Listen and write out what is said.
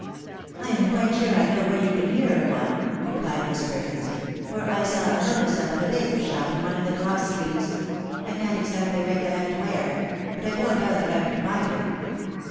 "" I am quite sure I know where you can hear of one,'' rephed Miss Perkins ;" for I saw a notice up at a baker's shop in one of the cross streets ; I can't exactly recollect where ; but I don't doubt that I could find it."